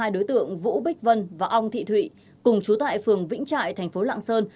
hai đối tượng vũ bích vân và ông thị thụy cùng chú tại phường vĩnh trại thành phố lạng sơn